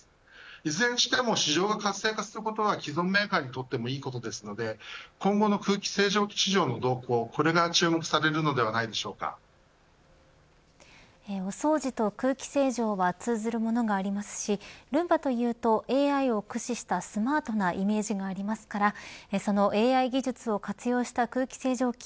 いずれにしても市場が活性化することは既存のメーカーにとってもいいことですので今後の空気清浄機市場の動向が注目されるのではお掃除と空気清浄は通ずるものがありますしルンバというとＡＩを駆使したスマートなイメージがありますからそのＡＩ技術を活用した空気清浄機